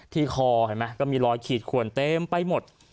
คอเห็นไหมก็มีรอยขีดขวนเต็มไปหมด